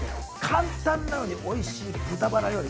簡単なのにおいしい豚バラ料理